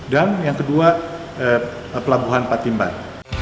dan yang kedua pelabuhan patimban